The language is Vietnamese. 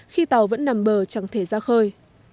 khi tàu vẫn nằm bờ chẳng thể ra khơi